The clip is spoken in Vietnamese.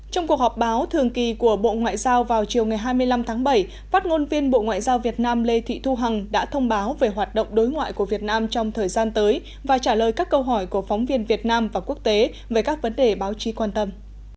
trong cuộc họp báo thường kỳ của bộ ngoại giao vào chiều ngày hai mươi năm tháng bảy phát ngôn viên bộ ngoại giao việt nam lê thị thu hằng đã thông báo về hoạt động đối ngoại của việt nam trong thời gian tới và trả lời các câu hỏi của phóng viên việt nam và quốc tế về các vấn đề báo chí quan tâm